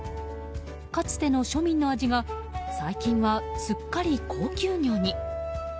かつての庶民の味が最近は、すっかり高級魚に。